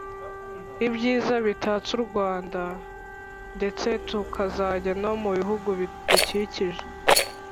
ibyiza bitatse u rwanda ndetse tukazajya no mu bihugu bidukikije